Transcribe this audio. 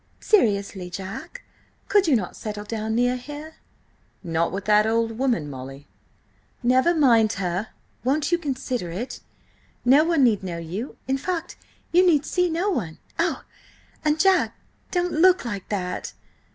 "Seriously, Jack, could you not settle down near here?" "Not with that old woman, Molly." "Never mind her; won't you consider it? No one need know you–in fact, you need see no one–and–oh, Jack! don't look like that.